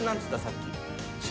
さっき。